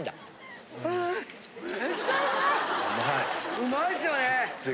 うまいっすよね。